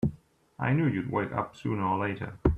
I knew you'd wake up sooner or later!